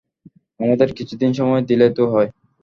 আমাদের কিছুদিন সময় দিলেই তো হয়।